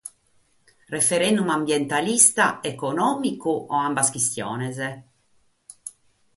Referendum ambientalista, econòmicu o ambas chistiones?